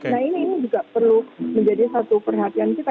nah ini juga perlu menjadi satu perhatian kita